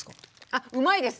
あっうまいです。